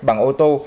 bằng ô tô